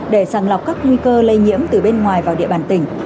để sàng lọc các nguy cơ lây nhiễm từ bên ngoài vào địa bàn tỉnh